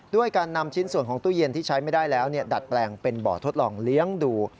ด้วยการนำชิ้นส่วนของตู้เย็นที่ใช้ไม่ได้แล้วดัดแปลงเป็นบ่อทดลองเลี้ยงดู